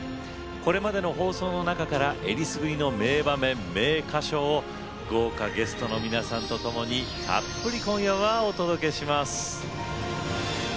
これまでの放送の中からえりすぐりの名場面、名歌唱を豪華ゲストの皆さんとともにたっぷり今夜はお届けいたします。